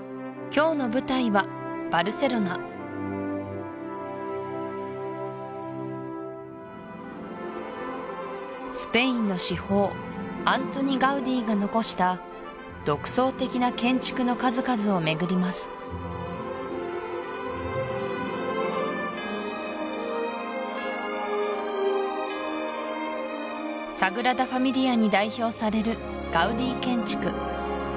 今日の舞台はバルセロナスペインの至宝アントニ・ガウディがのこした独創的な建築の数々を巡りますサグラダ・ファミリアに代表されるガウディ建築